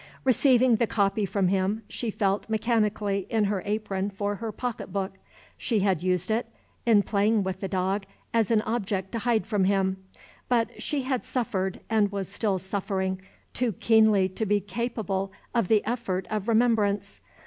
Receiving the copy from him, she felt mechanically in her apron for her pocketbook. She had used it, in playing with the dog, as an object to hide from him; but she had suffered, and was still suffering, too keenly to be capable of the effort of remembrance.